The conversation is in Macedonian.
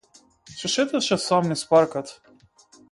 Се шеташе сам низ паркот.